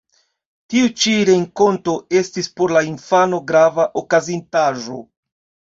Tiu ĉi renkonto estis por la infano grava okazintaĵo.